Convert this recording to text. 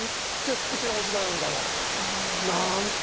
すてきなお芝居なんだろう。なんて